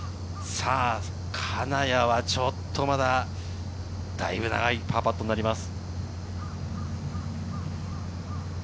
金谷はちょっとまだ、だいぶ長いパーパットになります。